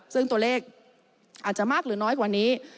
ซึ่งตัวเลขอาจจะมากหรือน้อยกว่านี้